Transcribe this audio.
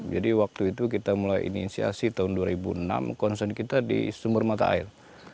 jadi waktu itu kita mulai inisiasi tahun dua ribu enam concern kita di sumber mata air